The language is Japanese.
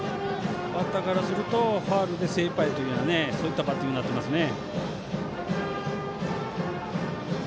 バッターからするとファウルで精いっぱいというようなそういったバッティングになってますね。